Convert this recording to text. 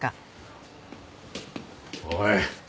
おい！